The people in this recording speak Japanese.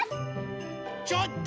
ちょっと！